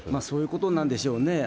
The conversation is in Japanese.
そういうことなんでしょうね。